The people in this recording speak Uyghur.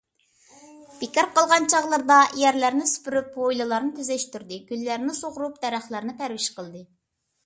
بىكار قالغان چاغلىرىدا يەرلەرنى سۈپۈرۈپ، ھويلىلارنى تۈزەشتۈردى. گۈللەرنى سۇغىرىپ، دەرەخلەرنى پەرۋىش قىلدى.